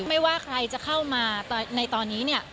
ไม่ว่าใครจะเข้ามาในตอนนี้เนี่ย